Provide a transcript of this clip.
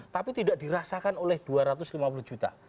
tapi tidak dirasakan oleh dua ratus lima puluh juta